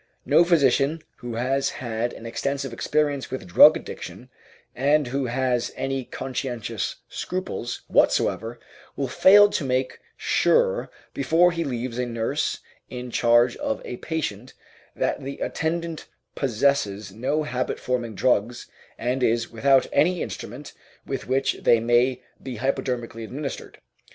No physician who has had an extensive experience with drug addiction and who has any conscientious scruples whatsoever will fail to make sure before he leaves a nurse in charge of a patient that the attendant possesses no habit forming drugs and is without any instrument with which they may be hypodermically administered.